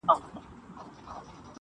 د سپیني خولې دي څونه ټک سو-